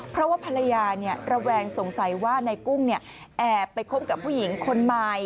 เพราะว่าภรรยาระแวงสงสัยว่านายกุ้งแอบไปคบกับผู้หญิงคนใหม่